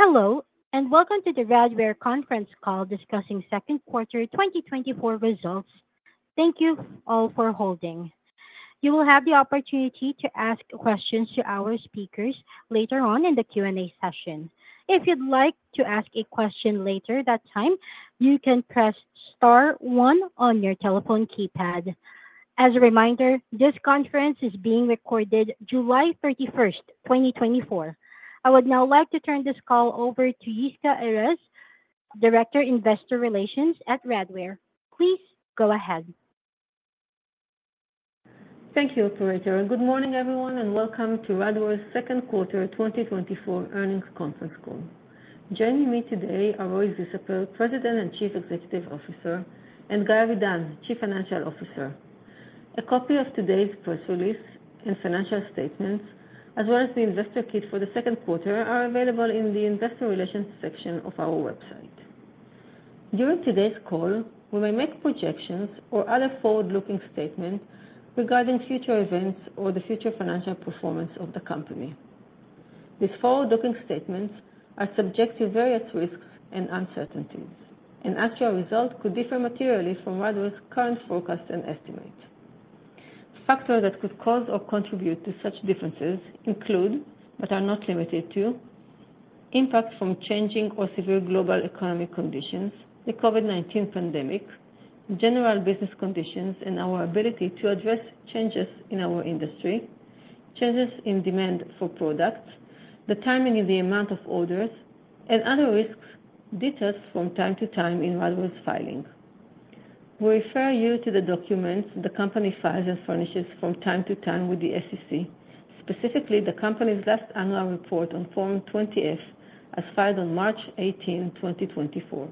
Hello, and welcome to the Radware Conference Call discussing second quarter 2024 results. Thank you all for holding. You will have the opportunity to ask questions to our speakers later on in the Q&A session. If you'd like to ask a question later that time, you can press star one on your telephone keypad. As a reminder, this conference is being recorded July 31, 2024. I would now like to turn this call over to Yisca Erez, Director, Investor Relations at Radware. Please go ahead. Thank you, operator, and good morning, everyone, and welcome to Radware's Second Quarter 2024 Earnings Conference Call. Joining me today are Roy Zisapel, President and Chief Executive Officer, and Guy Avidan, Chief Financial Officer. A copy of today's press release and financial statements, as well as the investor kit for the second quarter, are available in the investor relations section of our website. During today's call, we may make projections or other forward-looking statements regarding future events or the future financial performance of the company. These forward-looking statements are subject to various risks and uncertainties, and actual results could differ materially from Radware's current forecast and estimates. Factors that could cause or contribute to such differences include, but are not limited to, impacts from changing or severe global economic conditions, the COVID-19 pandemic, general business conditions, and our ability to address changes in our industry, changes in demand for products, the timing and the amount of orders, and other risks detailed from time to time in Radware's filing. We refer you to the documents the company files and furnishes from time to time with the SEC, specifically the company's last annual report on Form 20-F, as filed on March 18, 2024.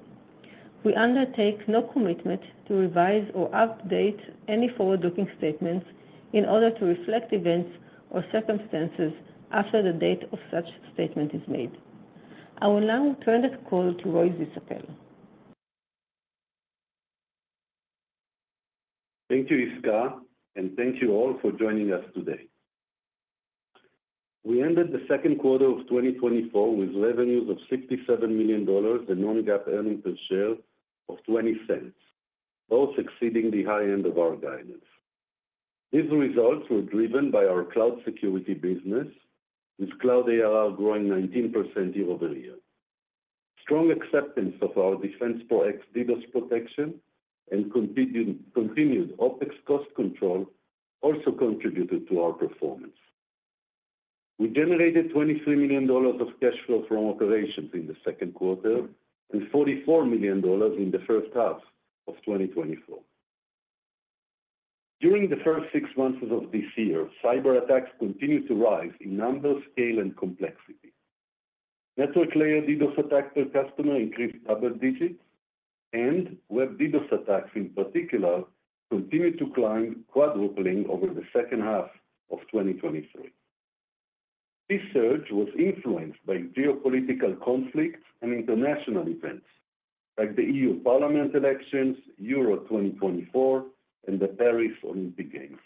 We undertake no commitment to revise or update any forward-looking statements in order to reflect events or circumstances after the date of such statement is made. I will now turn the call to Roy Zisapel. Thank you, Yisca, and thank you all for joining us today. We ended the second quarter of 2024 with revenues of $67 million and non-GAAP EPS of $0.20, both exceeding the high end of our guidance. These results were driven by our cloud security business, with cloud ARR growing 19% year-over-year. Strong acceptance of our DefensePro X DDoS protection and continued OpEx cost control also contributed to our performance. We generated $23 million of cash flow from operations in the second quarter and $44 million in the first half of 2024. During the first six months of this year, cyberattacks continued to rise in number, scale, and complexity. Network-layer DDoS attacks per customer increased double digits, and web DDoS attacks, in particular, continued to climb, quadrupling over the second half of 2023. This surge was influenced by geopolitical conflicts and international events like the EU Parliament elections, Euro 2024, and the Paris Olympic Games.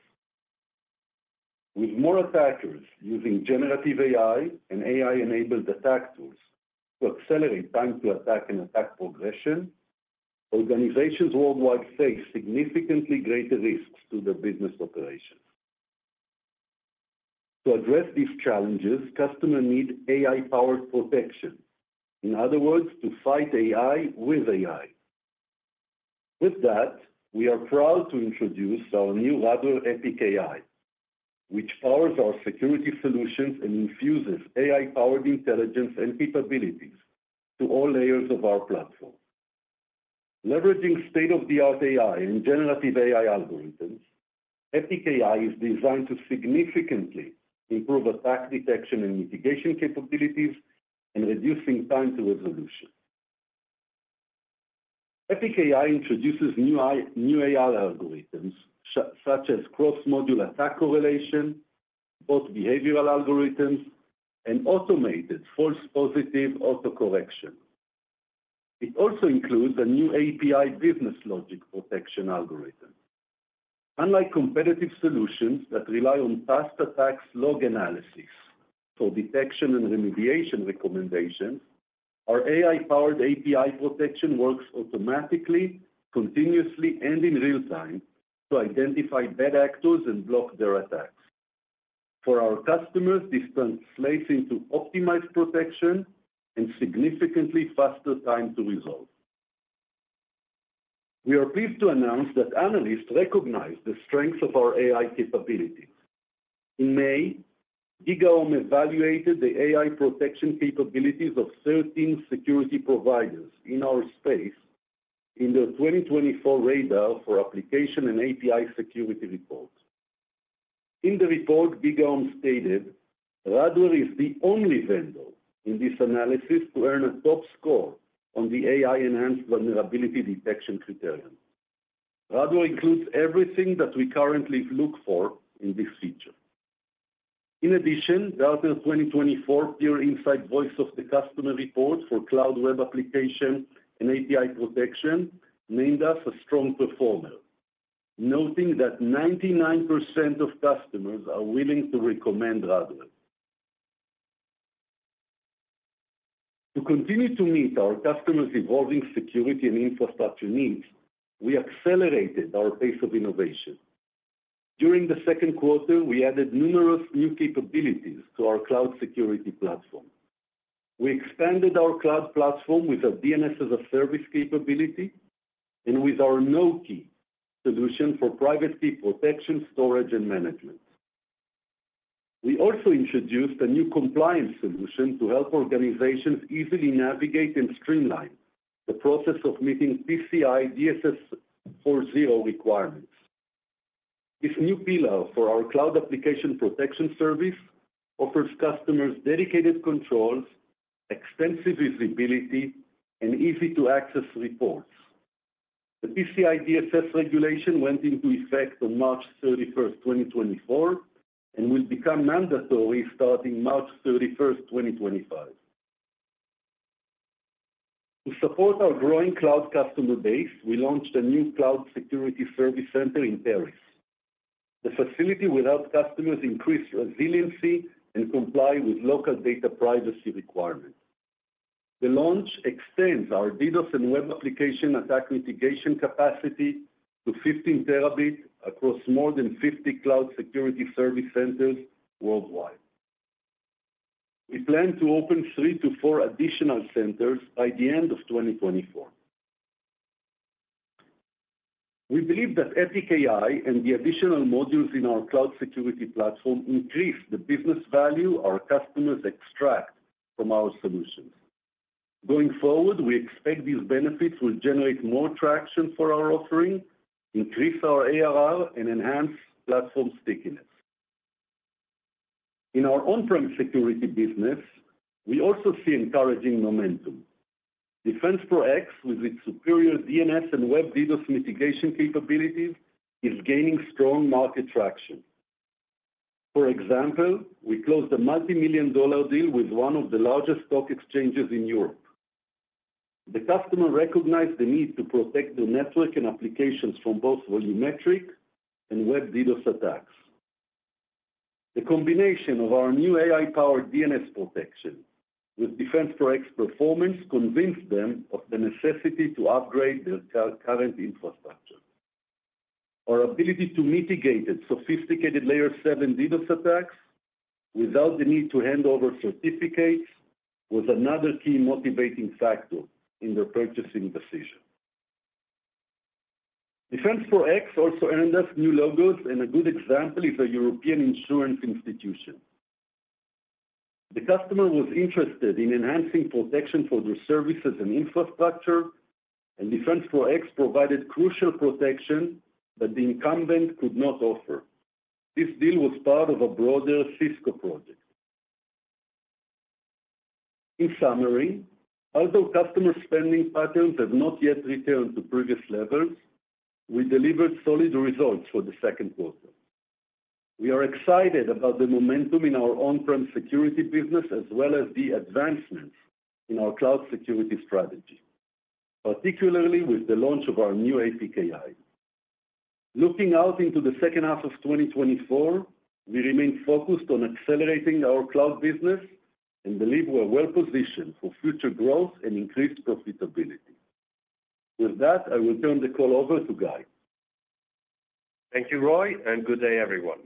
With more attackers using generative AI and AI-enabled attack tools to accelerate time to attack and attack progression, organizations worldwide face significantly greater risks to their business operations. To address these challenges, customers need AI-powered protection, in other words, to fight AI with AI. With that, we are proud to introduce our new Radware EPIC-AI, which powers our security solutions and infuses AI-powered intelligence and capabilities to all layers of our platform. Leveraging state-of-the-art AI and generative AI algorithms, EPIC-AI is designed to significantly improve attack detection and mitigation capabilities and reducing time to resolution. EPIC-AI introduces new AI algorithms, such as cross-module attack correlation, both behavioral algorithms and automated false-positive autocorrection. It also includes a new API business logic protection algorithm. Unlike competitive solutions that rely on past attacks log analysis for detection and remediation recommendations, our AI-powered API protection works automatically, continuously, and in real time to identify bad actors and block their attacks. For our customers, this translates into optimized protection and significantly faster time to resolve. We are pleased to announce that analysts recognize the strength of our AI capabilities. In May, GigaOm evaluated the AI protection capabilities of 13 security providers in our space in the 2024 Radar for Application and API Security Report. In the report, GigaOm stated, "Radware is the only vendor in this analysis to earn a top score on the AI-enhanced vulnerability detection criterion. Radware includes everything that we currently look for in this feature." In addition, the Gartner 2024 Peer Insights Voice of the Customer Report for cloud web application and API protection named us a strong performer, noting that 99% of customers are willing to recommend Radware. To continue to meet our customers' evolving security and infrastructure needs, we accelerated our pace of innovation. During the second quarter, we added numerous new capabilities to our cloud security platform. We expanded our cloud platform with a DNS as a service capability and with our NoKey solution for privacy, protection, storage, and management. We also introduced a new compliance solution to help organizations easily navigate and streamline the process of meeting PCI DSS 4.0 requirements. This new pillar for our cloud application protection service offers customers dedicated controls, extensive visibility, and easy-to-access reports. The PCI DSS regulation went into effect on March 31, 2024, and will become mandatory starting March 31, 2025. To support our growing cloud customer base, we launched a new cloud security service center in Paris. The facility will help customers increase resiliency and comply with local data privacy requirements. The launch extends our DDoS and web application attack mitigation capacity to 15 Tb across more than 50 cloud security service centers worldwide. We plan to open 3-4 additional centers by the end of 2024. We believe that EPIC-AI and the additional modules in our cloud security platform increase the business value our customers extract from our solutions. Going forward, we expect these benefits will generate more traction for our offering, increase our ARR, and enhance platform stickiness. In our on-prem security business, we also see encouraging momentum. DefensePro X, with its superior DNS and web DDoS mitigation capabilities, is gaining strong market traction. For example, we closed a multi-million-dollar deal with one of the largest stock exchanges in Europe. The customer recognized the need to protect their network and applications from both volumetric and web DDoS attacks. The combination of our new AI-powered DNS protection with DefensePro X performance convinced them of the necessity to upgrade their current infrastructure. Our ability to mitigate its sophisticated layer seven DDoS attacks without the need to hand over certificates, was another key motivating factor in their purchasing decision. DefensePro X also earned us new logos, and a good example is a European insurance institution. The customer was interested in enhancing protection for their services and infrastructure, and DefensePro X provided crucial protection that the incumbent could not offer. This deal was part of a broader Cisco project. In summary, although customer spending patterns have not yet returned to previous levels, we delivered solid results for the second quarter. We are excited about the momentum in our on-prem security business, as well as the advancements in our cloud security strategy, particularly with the launch of our new EPIC-AI. Looking out into the second half of 2024, we remain focused on accelerating our cloud business and believe we are well-positioned for future growth and increased profitability. With that, I will turn the call over to Guy. Thank you, Roy, and good day, everyone.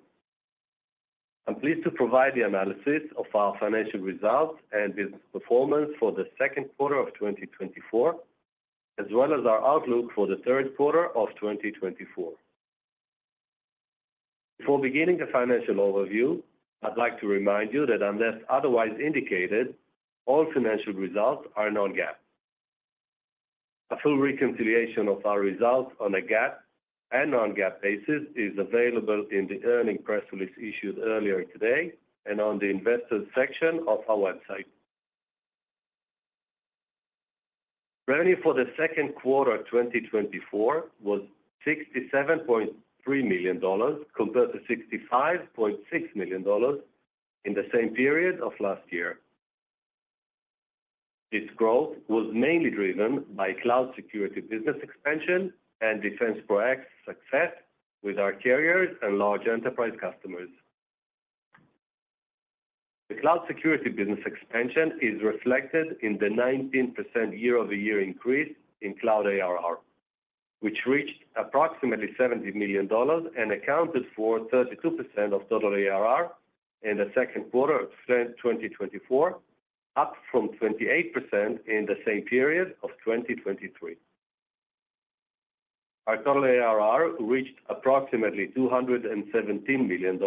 I'm pleased to provide the analysis of our financial results and business performance for the second quarter of 2024, as well as our outlook for the third quarter of 2024. Before beginning the financial overview, I'd like to remind you that unless otherwise indicated, all financial results are non-GAAP. A full reconciliation of our results on a GAAP and non-GAAP basis is available in the earnings press release issued earlier today and on the investor section of our website. Revenue for the second quarter of 2024 was $67.3 million, compared to $65.6 million in the same period of last year. This growth was mainly driven by cloud security business expansion and DefensePro X success with our carriers and large enterprise customers. The cloud security business expansion is reflected in the 19% year-over-year increase in cloud ARR, which reached approximately $70 million and accounted for 32% of total ARR in the second quarter of 2024, up from 28% in the same period of 2023. Our total ARR reached approximately $217 million,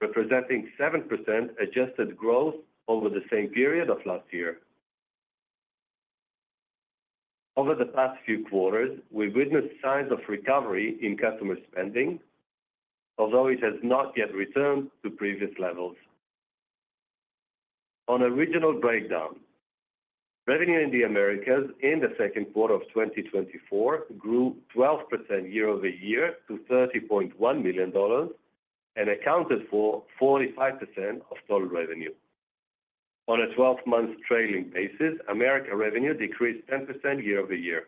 representing 7% adjusted growth over the same period of last year. Over the past few quarters, we've witnessed signs of recovery in customer spending, although it has not yet returned to previous levels. On a regional breakdown, revenue in the Americas in the second quarter of 2024 grew 12% year-over-year to $30.1 million and accounted for 45% of total revenue. On a 12-month trailing basis, Americas revenue decreased 10% year-over-year.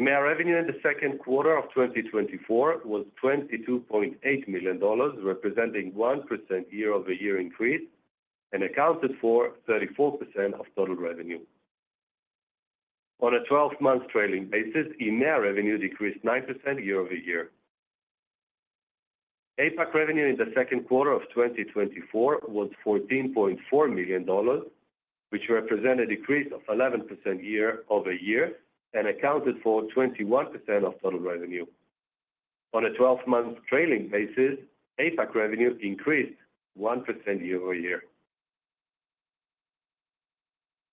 EMEA revenue in the second quarter of 2024 was $22.8 million, representing 1% year-over-year increase, and accounted for 34% of total revenue. On a 12-month trailing basis, EMEA revenue decreased 9% year-over-year. APAC revenue in the second quarter of 2024 was $14.4 million, which represent a decrease of 11% year-over-year and accounted for 21% of total revenue. On a 12-month trailing basis, APAC revenue increased 1% year-over-year.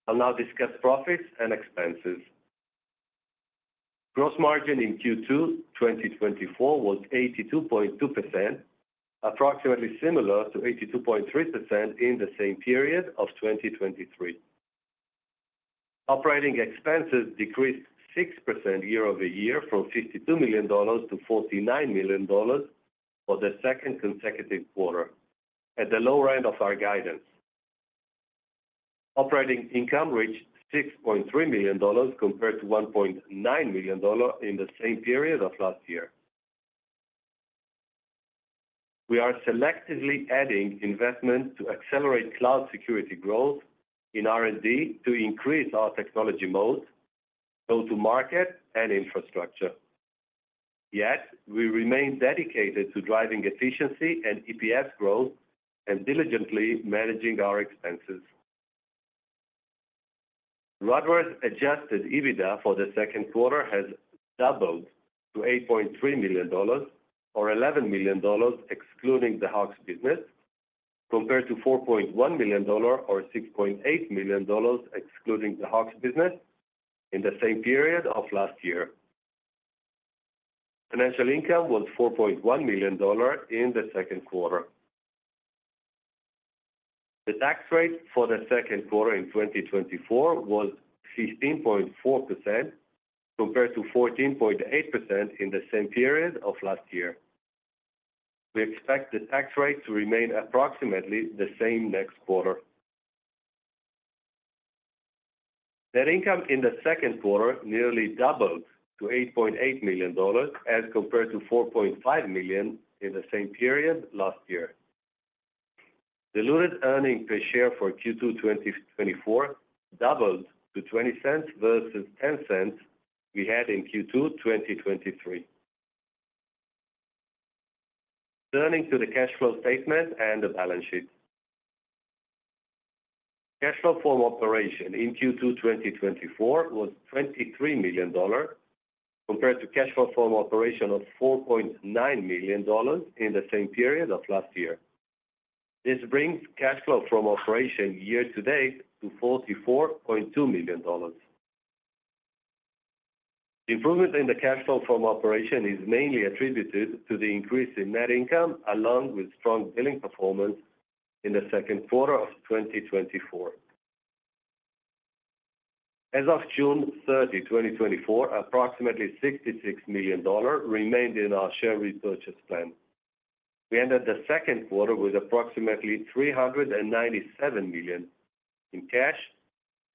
I'll now discuss profits and expenses. Gross margin in Q2 2024 was 82.2%, approximately similar to 82.3% in the same period of 2023. Operating expenses decreased 6% year-over-year from $52 million to $49 million for the second consecutive quarter, at the lower end of our guidance. Operating income reached $6.3 million compared to $1.9 million in the same period of last year. We are selectively adding investment to accelerate cloud security growth in R&D to increase our technology moat, go-to-market and infrastructure. Yet, we remain dedicated to driving efficiency and EPS growth and diligently managing our expenses. Radware's adjusted EBITDA for the second quarter has doubled to $8.3 million, or $11 million, excluding the Hawks Business, compared to $4.1 million or $6.8 million, excluding the Hawks Business, in the same period of last year. Financial income was $4.1 million in the second quarter. The tax rate for the second quarter in 2024 was 15.4%, compared to 14.8% in the same period of last year. We expect the tax rate to remain approximately the same next quarter. Net income in the second quarter nearly doubled to $8.8 million, as compared to $4.5 million in the same period last year. Diluted earnings per share for Q2 2024 doubled to $0.20 versus $0.10 we had in Q2 2023. Turning to the cash flow statement and the balance sheet. Cash flow from operation in Q2 2024 was $23 million, compared to cash flow from operation of $4.9 million in the same period of last year. This brings cash flow from operation year-to-date to $44.2 million. The improvement in the cash flow from operation is mainly attributed to the increase in net income, along with strong billing performance in the second quarter of 2024. As of June 30, 2024, approximately $66 million remained in our share repurchase plan. We ended the second quarter with approximately $397 million in cash,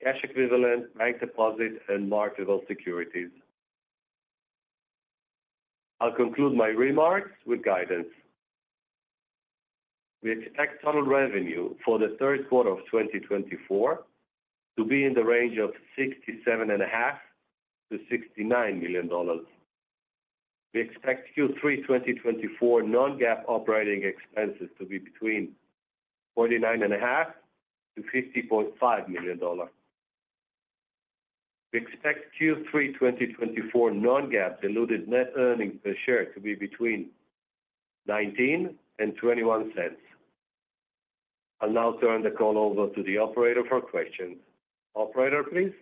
cash equivalents, bank deposits, and marketable securities. I'll conclude my remarks with guidance. We expect total revenue for the third quarter of 2024 to be in the range of $67.5 million-$69 million. We expect Q3 2024 non-GAAP operating expenses to be between $49.5 million-$50.5 million. We expect Q3 2024 non-GAAP diluted net earnings per share to be between 19-21 cents. I'll now turn the call over to the operator for questions. Operator, please?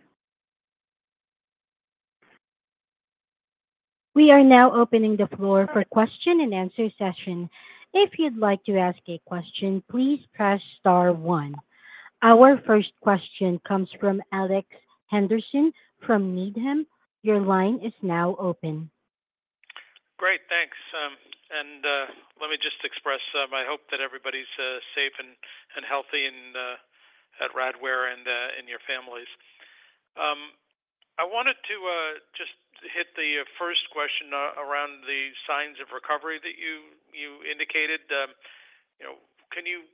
We are now opening the floor for question-and-answer session. If you'd like to ask a question, please press star one. Our first question comes from Alex Henderson, from Needham. Your line is now open. Great, thanks. And let me just express, I hope that everybody's safe and healthy at Radware and your families. I wanted to just hit the first question around the signs of recovery that you indicated. You know, can you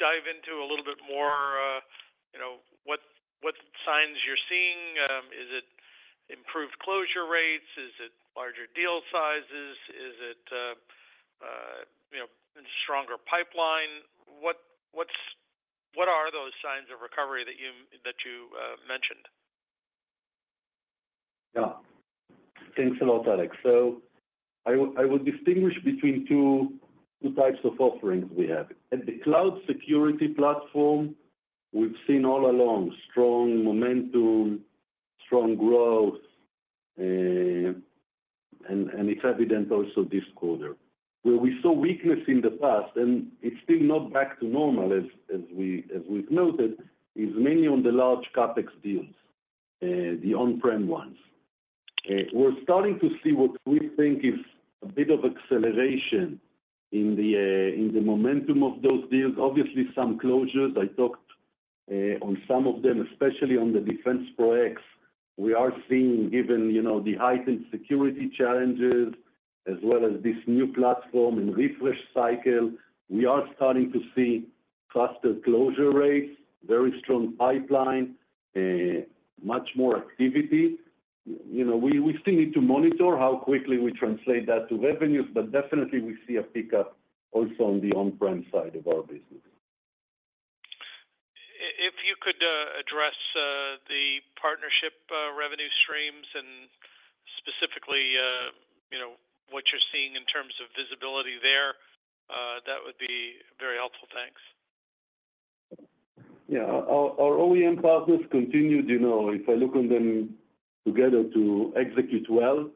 dive into a little bit more, you know, what signs you're seeing? Is it improved closure rates? Is it larger deal sizes? Is it, you know, stronger pipeline? What are those signs of recovery that you mentioned? Yeah. Thanks a lot, Alex. So I would distinguish between two types of offerings we have. At the cloud security platform, we've seen all along strong momentum, strong growth, and it's evident also this quarter. Where we saw weakness in the past, and it's still not back to normal, as we've noted, is mainly on the large CapEx deals, the on-prem ones. We're starting to see what we think is a bit of acceleration in the, in the momentum of those deals. Obviously, some closures, I talked on some of them, especially on the DefensePro X. We are seeing, given, you know, the heightened security challenges, as well as this new platform and refresh cycle, we are starting to see faster closure rates, very strong pipeline, much more activity. You know, we, we still need to monitor how quickly we translate that to revenues, but definitely we see a pickup also on the on-prem side of our business. If you could address the partnership revenue streams and specifically, you know, what you're seeing in terms of visibility there, that would be very helpful. Thanks. Yeah. Our, our OEM partners continued, you know, if I look on them together, to execute well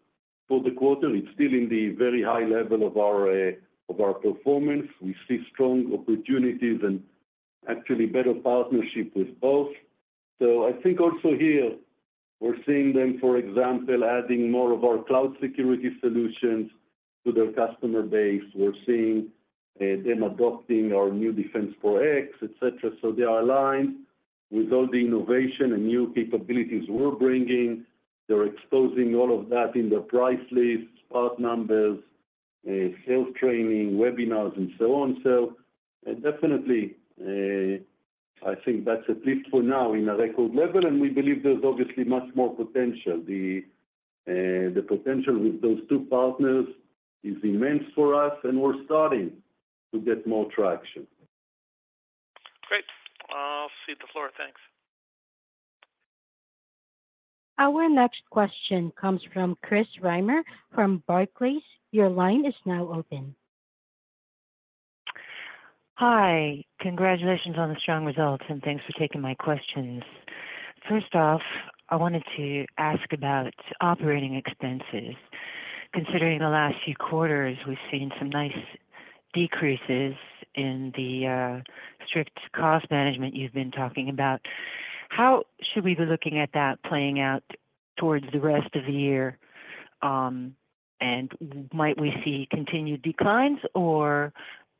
for the quarter. It's still in the very high level of our, of our performance. We see strong opportunities and actually better partnership with both. So I think also here, we're seeing them, for example, adding more of our cloud security solutions to their customer base. We're seeing, them adopting our new DefensePro X, et cetera. So they are aligned with all the innovation and new capabilities we're bringing. They're exposing all of that in their price lists, part numbers, sales training, webinars, and so on. So, definitely, I think that's, at least for now, in a record level, and we believe there's obviously much more potential. The, the potential with those two partners is immense for us, and we're starting to get more traction. [Thanks]. I'll cede the floor. Thanks. Our next question comes from Chris Reimer from Barclays. Your line is now open. Hi. Congratulations on the strong results, and thanks for taking my questions. First off, I wanted to ask about operating expenses. Considering the last few quarters, we've seen some nice decreases in the strict cost management you've been talking about. How should we be looking at that playing out towards the rest of the year? And might we see continued declines, or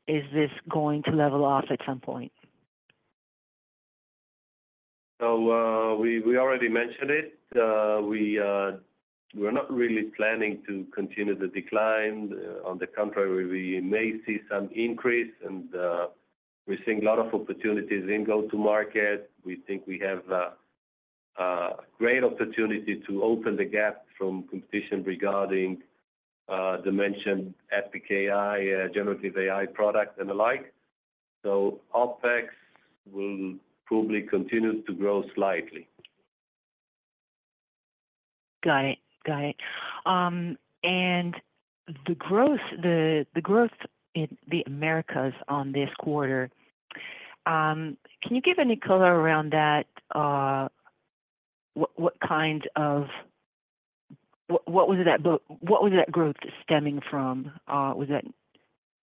is this going to level off at some point? So, we already mentioned it. We're not really planning to continue the decline. On the contrary, we may see some increase, and we're seeing a lot of opportunities in go-to-market. We think we have a great opportunity to open the gap from competition regarding the mentioned EPIC-AI, generative AI product and the like. So OpEx will probably continue to grow slightly. Got it. Got it. And the growth in the Americas on this quarter, can you give any color around that? What kinds of... what was that growth stemming from? Was that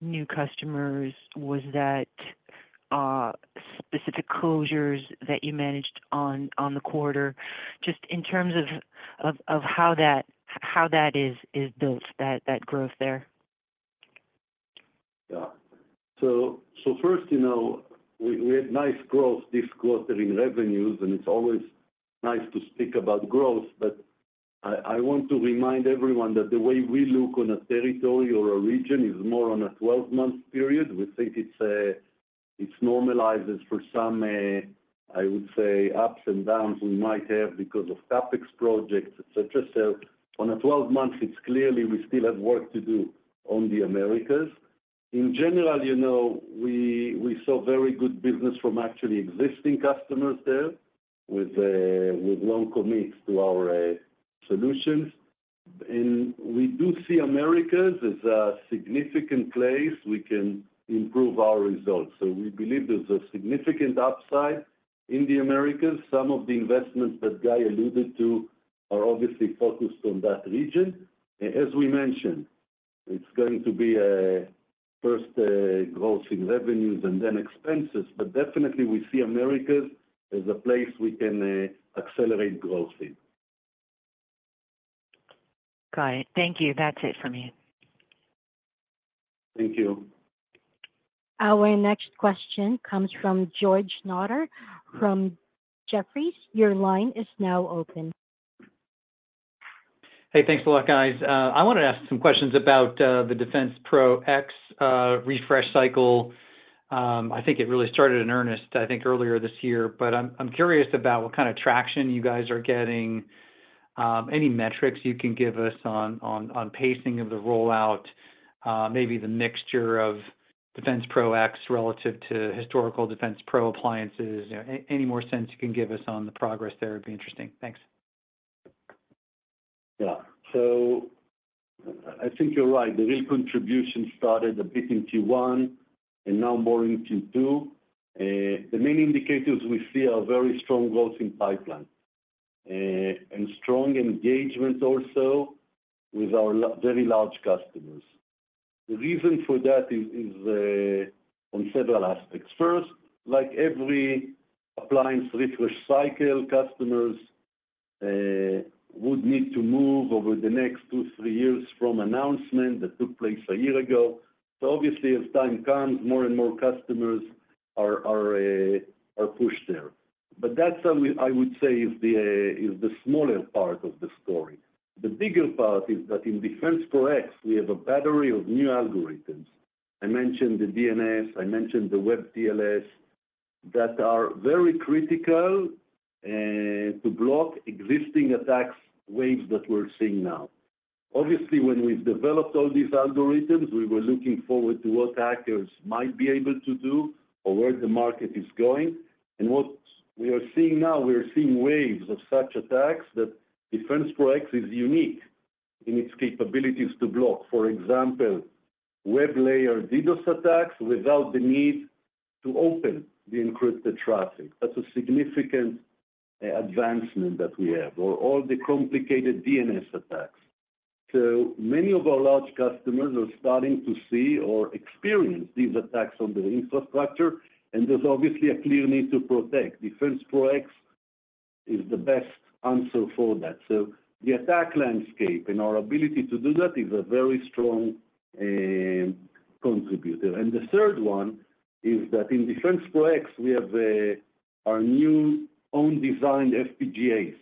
new customers? Was that specific closures that you managed on the quarter? Just in terms of how that is built, that growth there. Yeah. So, so first, you know, we, we had nice growth this quarter in revenues, and it's always nice to speak about growth, but I, I want to remind everyone that the way we look on a territory or a region is more on a 12-month period. We think it's, it normalizes for some, I would say, ups and downs we might have because of CapEx projects, et cetera. So on a 12 months, it's clearly we still have work to do on the Americas. In general, you know, we, we saw very good business from actually existing customers there with, with long commits to our, solutions. And we do see Americas as a significant place we can improve our results. So we believe there's a significant upside in the Americas. Some of the investments that Guy alluded to are obviously focused on that region. As we mentioned, it's going to be first growth in revenues and then expenses, but definitely, we see Americas as a place we can accelerate growth in. Got it. Thank you. That's it for me. Thank you. Our next question comes from George Notter from Jefferies. Your line is now open. Hey, thanks a lot, guys. I wanted to ask some questions about the DefensePro X refresh cycle. I think it really started in earnest, I think, earlier this year, but I'm curious about what kind of traction you guys are getting. Any metrics you can give us on pacing of the rollout, maybe the mixture of DefensePro X relative to historical DefensePro appliances. You know, any more sense you can give us on the progress there would be interesting. Thanks. Yeah. So I think you're right. The real contribution started a bit in Q1 and now more in Q2. The main indicators we see are very strong growth in pipeline, and strong engagement also with our very large customers. The reason for that is on several aspects. First, like every appliance refresh cycle, customers would need to move over the next two, three years from announcement that took place a year ago. So obviously, as time comes, more and more customers are pushed there. But that's something I would say is the smaller part of the story. The bigger part is that in DefensePro X, we have a battery of new algorithms. I mentioned the DNS, I mentioned the web TLS, that are very critical to block existing attack waves that we're seeing now. Obviously, when we've developed all these algorithms, we were looking forward to what hackers might be able to do or where the market is going. What we are seeing now, we are seeing waves of such attacks that DefensePro X is unique in its capabilities to block. For example, web layer DDoS attacks without the need to open the encrypted traffic. That's a significant advancement that we have, or all the complicated DNS attacks. Many of our large customers are starting to see or experience these attacks on the infrastructure, and there's obviously a clear need to protect. DefensePro X is the best answer for that. The attack landscape and our ability to do that is a very strong contributor. The third one is that in DefensePro X, we have our new own designed FPGAs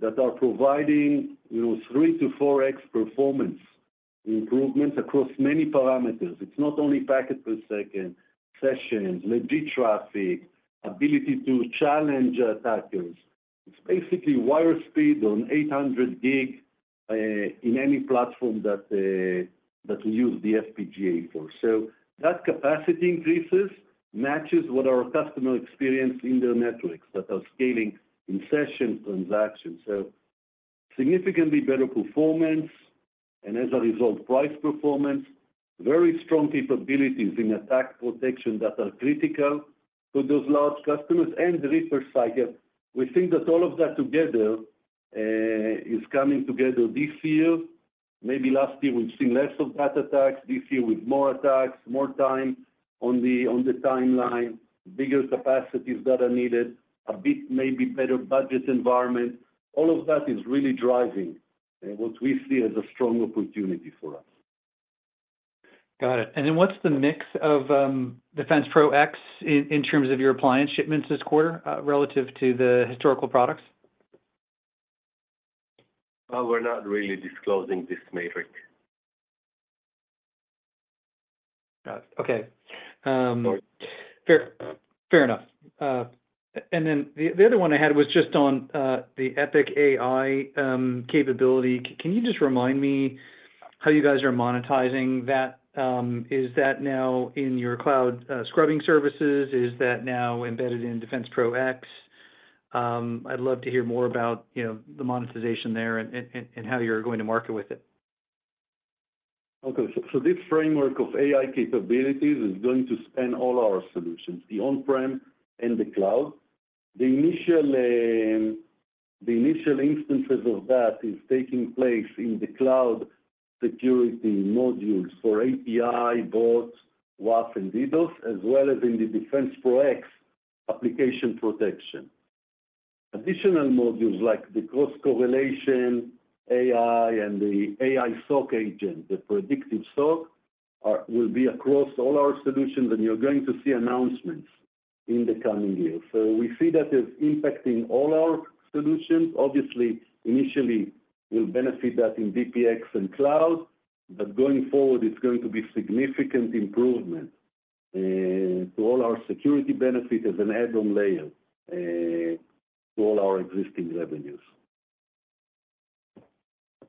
that are providing, you know, 3x-4x performance improvements across many parameters. It's not only packet per second, sessions, legit traffic, ability to challenge attackers. It's basically wire speed on 800 Gb in any platform that we use the FPGA for. So that capacity increases, matches what our customer experience in their networks that are scaling in session transactions. So significantly better performance, and as a result, price performance, very strong capabilities in attack protection that are critical to those large customers and the refresh cycle. We think that all of that together is coming together this year. Maybe last year, we've seen less of that attacks. This year, with more attacks, more time on the timeline, bigger capacities that are needed, a bit, maybe better budget environment. All of that is really driving what we see as a strong opportunity for us. Got it. And then what's the mix of DefensePro X in terms of your appliance shipments this quarter, relative to the historical products? We're not really disclosing this metric. Got it. Okay. Fair, fair enough. And then the other one I had was just on the EPIC-AI capability. Can you just remind me how you guys are monetizing that? Is that now in your cloud scrubbing services? Is that now embedded in DefensePro X? I'd love to hear more about, you know, the monetization there and how you're going to market with it. Okay. So, this framework of AI capabilities is going to span all our solutions, the on-prem and the cloud. The initial instances of that is taking place in the cloud security modules for API, bots, WAF, and DDoS, as well as in the DefensePro X application protection. Additional modules like the cross-correlation, AI, and the AI SOC agent, the predictive SOC, will be across all our solutions, and you're going to see announcements in the coming years. So we see that as impacting all our solutions. Obviously, initially, we'll benefit that in DPX and cloud, but going forward, it's going to be significant improvement to all our security benefit as an add-on layer to all our existing revenues.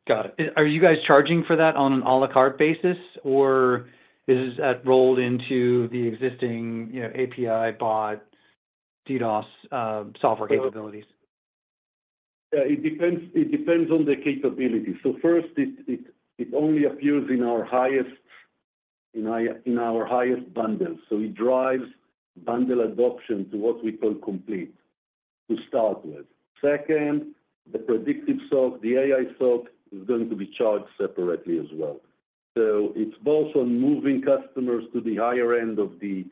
Got it. Are you guys charging for that on an à la carte basis, or is that rolled into the existing, you know, API, bot, DDoS, software capabilities? Yeah, it depends on the capability. So first, it only appears in our highest bundle. So it drives bundle adoption to what we call complete, to start with. Second, the predictive SOC, the AI SOC, is going to be charged separately as well. So it's both on moving customers to the higher end of the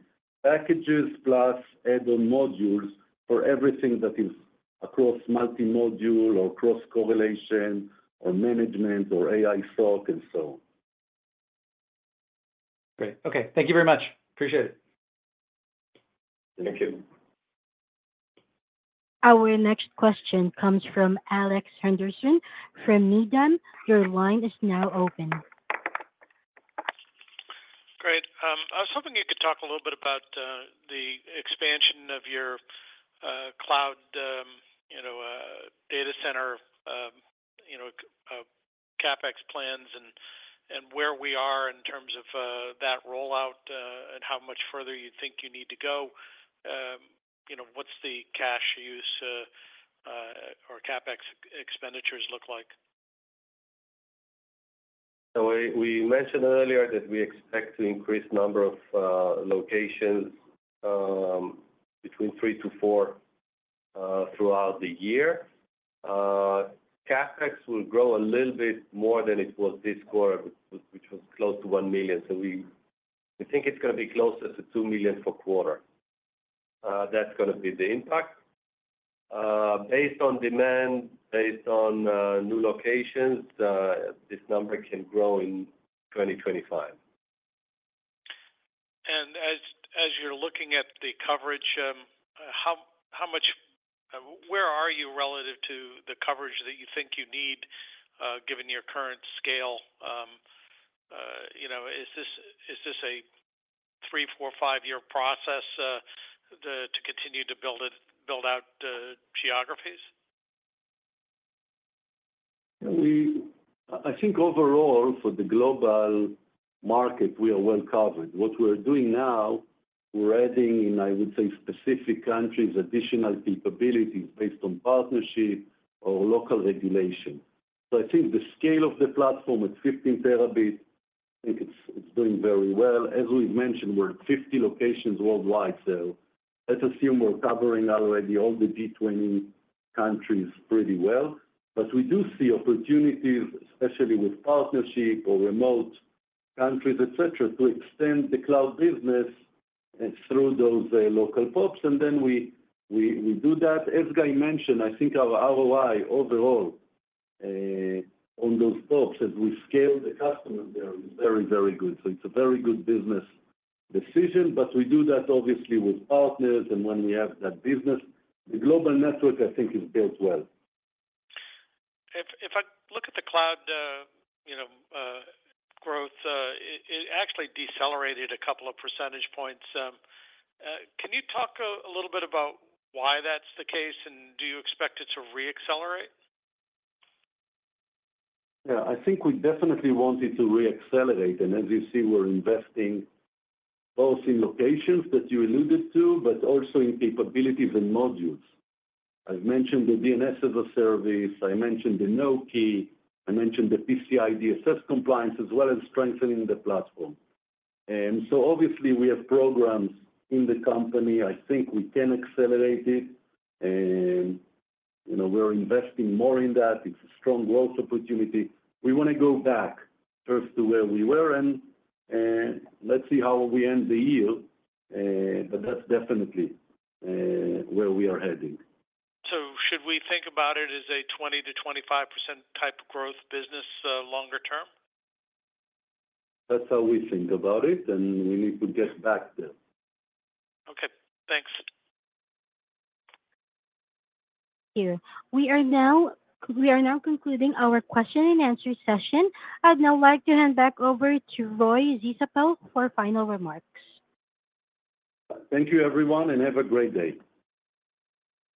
packages, plus add-on modules for everything that is across multi-module, or cross-correlation, or management, or AI SOC, and so on. Great. Okay. Thank you very much. Appreciate it. Thank you. Our next question comes from Alex Henderson from Needham. Your line is now open. Great. I was hoping you could talk a little bit about the expansion of your cloud, you know, data center, you know, CapEx plans and, and where we are in terms of that rollout, and how much further you think you need to go. You know, what's the cash use or CapEx expenditures look like? So we mentioned earlier that we expect to increase number of locations between 3-4 throughout the year. CapEx will grow a little bit more than it was this quarter, which was close to $1 million. So we think it's gonna be closer to $2 million per quarter. That's gonna be the impact. Based on demand, based on new locations, this number can grow in 2025. As you're looking at the coverage, how much-where are you relative to the coverage that you think you need, given your current scale? You know, is this a 3, 4, 5-year process to continue to build it, build out geographies? I think overall, for the global market, we are well covered. What we're doing now, we're adding in, I would say, specific countries, additional capabilities based on partnership or local regulation. So I think the scale of the platform, it's 15 Tb. I think it's doing very well. As we've mentioned, we're at 50 locations worldwide, so let's assume we're covering already all the G-20 countries pretty well. But we do see opportunities, especially with partnership or remote countries, et cetera, to extend the cloud business through those local pops, and then we do that. As Guy mentioned, I think our ROI overall on those pops, as we scale the customers there, is very, very good. So it's a very good business decision, but we do that obviously with partners and when we have that business. The global network, I think, is built well. If I look at the cloud, you know, growth, it actually decelerated a couple of percentage points. Can you talk a little bit about why that's the case, and do you expect it to reaccelerate? Yeah, I think we definitely want it to reaccelerate, and as you see, we're investing both in locations that you alluded to, but also in capabilities and modules. I've mentioned the DNS as a service. I mentioned the NoKey. I mentioned the PCI DSS compliance, as well as strengthening the platform. And so obviously, we have programs in the company. I think we can accelerate it, and you know, we're investing more in that. It's a strong growth opportunity. We want to go back first to where we were, and let's see how we end the year, but that's definitely where we are heading. So should we think about it as a 20%-25% type growth business, longer term? That's how we think about it, and we need to get back there. Okay, thanks. Thank you. We are now concluding our question-and-answer session. I'd now like to hand back over to Roy Zisapel for final remarks. Thank you, everyone, and have a great day.